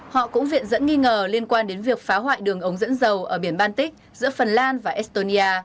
họ cũng viện dẫn nghi ngờ liên quan đến việc phá hoại đường ống dẫn dầu ở biển baltic giữa phần lan và estonia